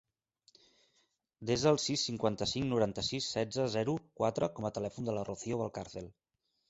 Desa el sis, cinquanta-cinc, noranta-sis, setze, zero, quatre com a telèfon de la Rocío Valcarcel.